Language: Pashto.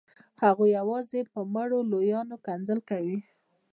هغوی یوازې په مړو لویان ښکنځل کوي.